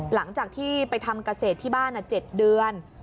หลังจากที่ไปทำเกษตรที่บ้าน๗เดือน